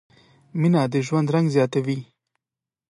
مینه د ژوند رنګ زیاتوي.